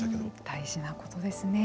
大事なことですね。